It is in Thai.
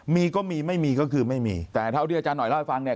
มีก็มีไม่มีก็คือไม่มีแต่เท่าที่อาจารย์หน่อยเล่าให้ฟังเนี่ย